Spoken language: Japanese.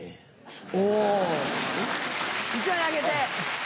おぉ１枚あげて。